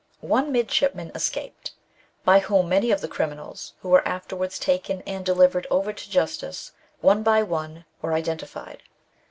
One midshipman escaped, by whom many of the criminals, who were afterwards taken and delivered over to justice, one by one, were identified.